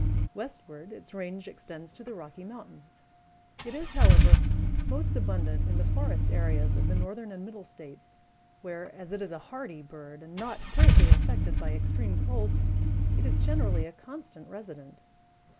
Westward its range extends to the Rocky Mountains. It is, however, most abundant in the forest areas of the Northern and Middle States, where, as it is a hardy bird and not greatly affected by extreme cold, it is generally a constant resident.